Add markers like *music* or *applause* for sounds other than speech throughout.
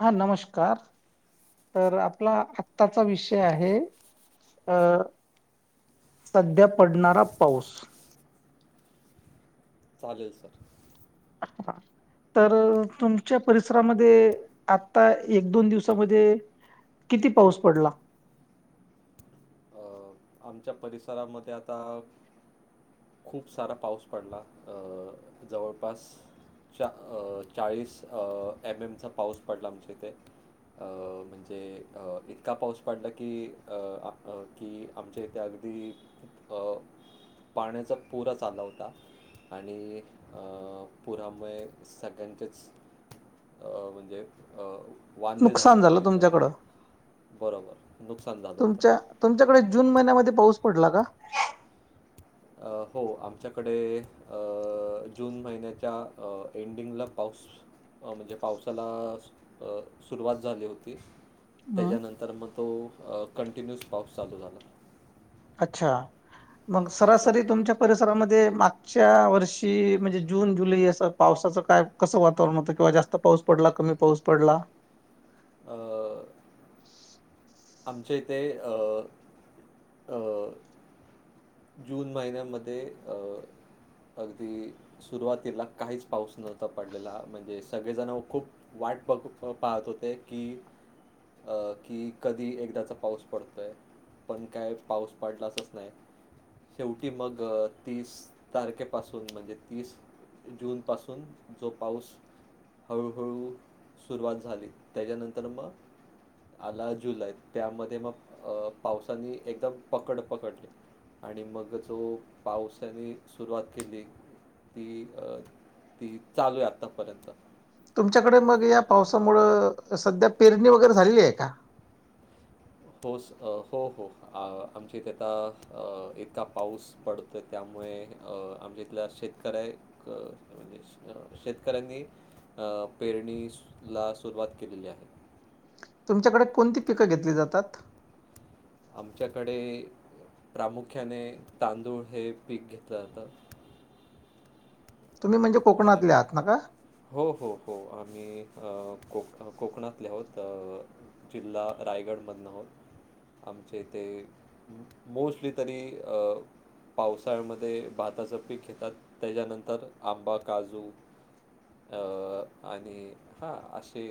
हा नमस्कार, तर आपला आत्ताचा विषय आहे अ सध्या पडणारा पाऊस चालेल सर. *inaudible* *unintelligible* तर तुमच्या परिसरामध्ये, आता एक दोन दिवसामध्ये किती पाऊस पडला? अ, आमच्या परिसरामध्ये आता खूप सारा पाऊस पडला अ जवळपास चा अ चाळीस एम एमचा पाऊस पडला आमच्या इथे. अ म्हणजे अ इतका पाऊस पडला की अ आता की. आमच्या इथे अगदी पाण्याचा पुरा च आला होता. आणि अ पुरामुळे सगळ्यांचेच अ म्हणजे अ वांदे झाले नुकसान झालं होते जरा तुमच्याकडं बरोबर नुकसान झालं होतं. तुमच्या तुमच्याकडे जून महिन्यामध्ये पाऊस पडला का? हो आमच्याकडे जून महिन्याच्या एंडिंगला पाऊस अ म्हणजे पावसाला सुरुवात झाली होती हम्म त्याच्यानंतर मग तो कंटिन्युस पाऊस चालू झाला. अच्छा मग हां, सर. सरासरी तुमच्या परिसरामध्ये मागच्या वर्षी म्हणजे जून जुलै असं पावसाचं काय कसं वातावरण होतं किंवा जास्त पाऊस पडला कमी पाऊस पडला? अ आमच्या इथे अ अ जून महिन्यामध्ये अ अगदी सुरुवातीला काहीच पाऊस नव्हता पडलेला म्हणजे सगळेजण खूप वाट बघ पाहत होते की अ की कधी एकदाचा पाऊस पडतोय पण काय पाऊस पडलाचच नाही. शेवटी मग तीस तारखेपासून म्हणजे तीस जून पासून जो पाऊस हळूहळू सुरुवात झाली त्याच्यानंतर मग आला जुलाई त्यामध्ये मग पावसानी एकदम पकड पकडली. आणि मग जो पावसाने सुरुवात केली ती अ ती चालू आहे आत्तापर्यंत. तुमच्याकडे मग या पावसामुळं सध्या पेरणी वगैरे झालेली आहे का? पाऊस अ हो हो हो आमच्या इथे आता अ इतका पाऊस पडतोय त्यामुळे अ आमच्या इथल्या शेतकर्या अ शेतकऱ्यांनी अ पेरणीस ला सुरुवात केलेली आहे. तुमच्याकडे कोणती पिकं घेतली जातात? आमच्याकडे प्रामुख्याने तांदूळ हे पीक घेतलं जातं. तुम्ही म्हणजे कोकणातले आणि आहात ना का? हो हो हो आम्ही अ कोक कोकणातले आहोत अ जिल्हा रायगड मधनहर आमचे ते मोस्टली तरी अ पावसाळ्यामध्ये भाताचं पीक घेतात त्याच्यानंतर आंबा काजू या आणि हा असे.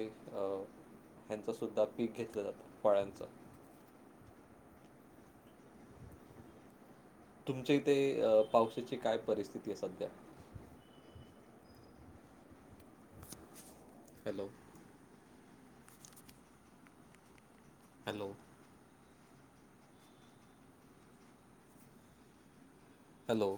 ह्यांचं सुद्धा पीक घेतलं जातं फळ्यांचं. तुमच्या इथे पावसाची काय परिस्थिती आहे सध्या? हॅलो. हॅलो. हॅलो.